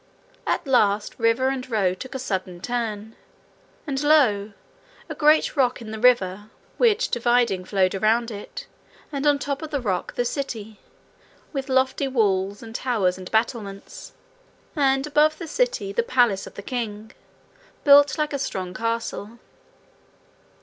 At last river and road took a sudden turn, and lo! a great rock in the river, which dividing flowed around it, and on the top of the rock the city, with lofty walls and towers and battlements, and above the city the palace of the king, built like a strong castle.